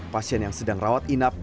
pasien yang sedang rawat inap